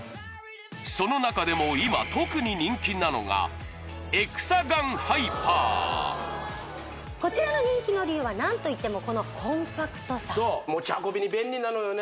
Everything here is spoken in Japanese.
その中でも今特に人気なのがこちらの人気の理由は何といってもこのコンパクトさそう持ち運びに便利なのよね